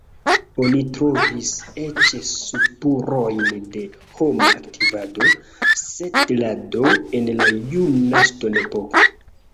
Oni trovis eĉ spurojn de homa aktivado, setlado en la juna ŝtonepoko.